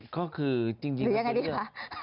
ก็คือจริงเป็นเรื่องหรืออย่างไรดีค่ะ